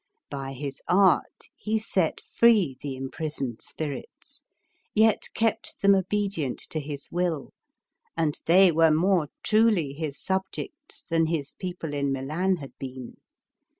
By his art he set free the imprisoned spirits, yet kept them obedient to his will, and they were more truly his subjects than his people in Milan had been.